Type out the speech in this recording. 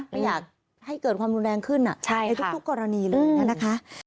ไม่อยากให้เกิดความรุนแรงขึ้นในทุกกรณีเลยนะคะ